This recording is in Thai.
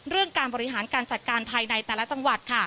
เรื่องการบริหารการจัดการภายในแต่ละจังหวัด